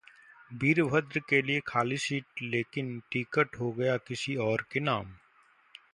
वीरभद्र के लिए खाली की सीट लेकिन टिकट हो गया किसी और के नाम